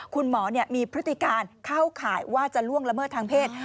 คุณหมอมีพฤติการเข้าข่ายว่าจะล่วงละเมิดทางเพศ